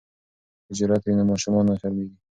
که جرات وي نو ماشوم نه شرمیږي.